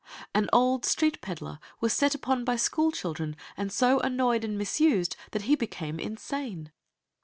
An old street peddler was set upon by school children and so annoyed and misused that he became insane.